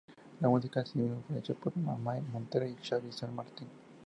La música, asimismo, fue hecha por Amaia Montero y Xabi San Martín.